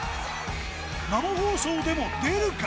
生放送でも出るか？